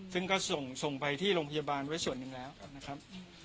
ซึ่งก็ส่งไปที่โรงพยาบาลไว้ส่วนหนึ่งแล้วนะครับ